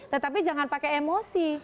tetapi jangan pakai emosi